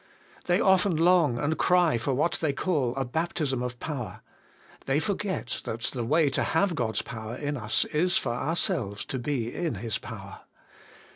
They often long and cry for what they call a baptism of power. They forget that the way to have God's power in us is for ourselves to be in His power.